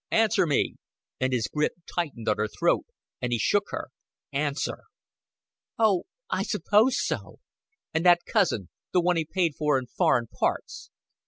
Answer me;" and his grip tightened on her throat, and he shook her. "Answer." "Oh, I suppose so." "And that cousin the one he paid for in foreign parts?"